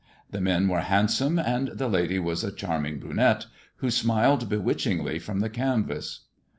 The men were indsome, and the lady was a charming brunette, who' liled bewitchingly from the canvaa.